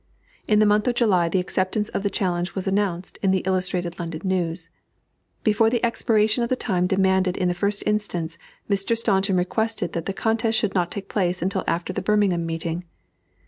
In the month of July the acceptance of the challenge was announced in the Illustrated London News. Before the expiration of the time demanded in the first instance, Mr. Staunton requested that the contest should not take place until after the Birmingham meeting.